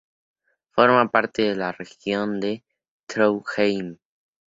Forma parte de la región de Trondheim.